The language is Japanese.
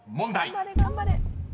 頑張れ頑張れ。